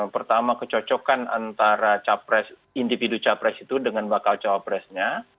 pertama kecocokan antara individu cawapres itu dengan bakal cawapresnya